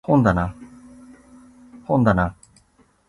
本だな